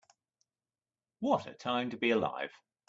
What a time to be alive.